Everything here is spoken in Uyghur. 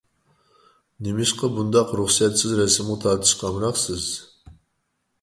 نېمىشقا بۇنداق رۇخسەتسىز رەسىمگە تارتىشقا ئامراقسىز؟